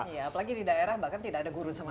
iya apalagi di daerah bahkan tidak ada guru semua